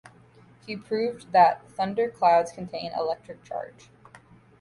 He proved that thunder clouds contain electric charge.